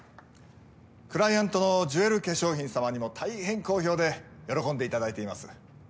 クライアントのジュエル化粧品様にもたいへん好評で喜んでいただいています。